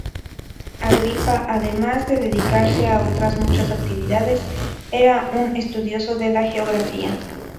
Agripa, además de dedicarse a otras muchas actividades, era un estudioso de la geografía.